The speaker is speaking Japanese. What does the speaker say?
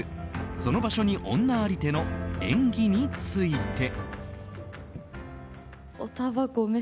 「その場所に女ありて」の演技について。